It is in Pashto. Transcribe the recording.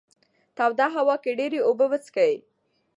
توده هوا کې ډېرې اوبه وڅښئ.